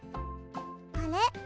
あれ？